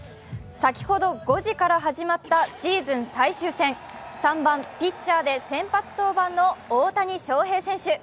先ほど５時から始まったシーズン最終戦、３番・ピッチャーで先発登板の大谷翔平選手。